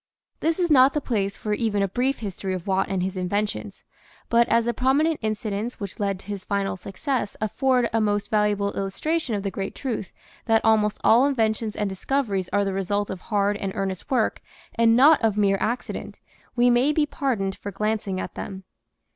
This is not the place for even a brief history of Watt and his inventions, but as the prominent incidents which led to his final success afford a most valuable illustration of the great truth that almost all inventions and discoveries are the result of hard and earnest work and not of mere accident, we may be pardoned for glancing at them.